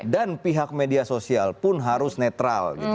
dan pihak media sosial pun harus netral gitu